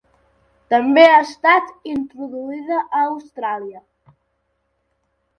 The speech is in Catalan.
També ha estat introduïda a Austràlia.